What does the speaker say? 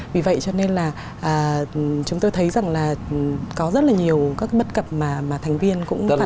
vì vậy cho nên là chúng tôi thấy rằng là có rất là nhiều các cái bất cập mà thành viên cũng phản ứng đến